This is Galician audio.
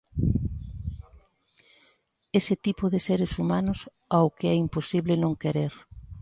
Ese tipo de seres humanos ao que é imposible non querer.